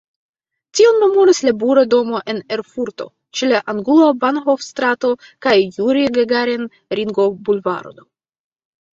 Tion memoras la bura domo en Erfurto ĉe la angulo Bahnhof-strato kaj Juri-Gagarin-ringobulvardo.